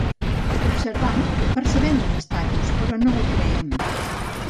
Observant, percebem un estatus, però no el creem.